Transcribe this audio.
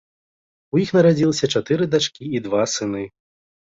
У іх нарадзілася чатыры дачкі і два сыны.